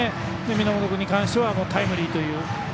源君に関してはタイムリーという。